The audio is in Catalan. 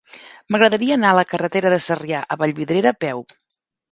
M'agradaria anar a la carretera de Sarrià a Vallvidrera a peu.